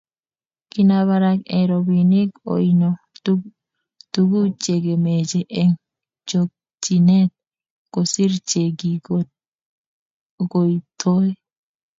Kina barak eng robinik oino tuguk chegemeche eng chokchinet kosiir chegigoitoi